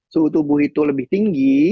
suhu tubuh itu lebih tinggi